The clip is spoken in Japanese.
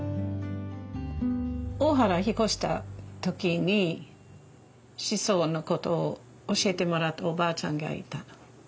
大原引っ越した時にシソの事を教えてもらったおばあちゃんがいた。